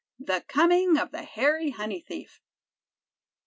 THE COMING OF THE HAIRY HONEY THIEF.